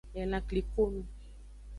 Elan klikonu.